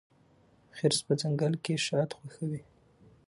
خرس په ځنګل کې شات خوښوي.